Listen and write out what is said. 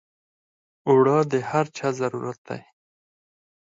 اوړه د هر چا ضرورت دی